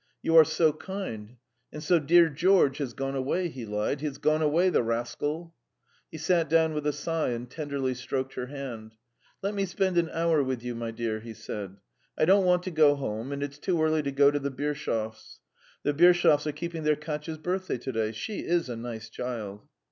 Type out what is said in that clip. "You are so kind! And so dear George has gone away," he lied. "He has gone away, the rascal!" He sat down with a sigh and tenderly stroked her hand. "Let me spend an hour with you, my dear," he said. "I don't want to go home, and it's too early to go to the Birshovs'. The Birshovs are keeping their Katya's birthday to day. She is a nice child!"